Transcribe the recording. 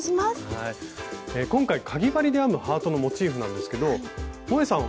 今回かぎ針で編むハートのモチーフなんですけどもえさん